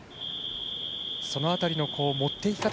その辺りの持っていき方